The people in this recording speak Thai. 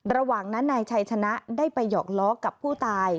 ระหว่างนั้นนายชัยชนะได้ไปหอกล้อกับผู้ตาย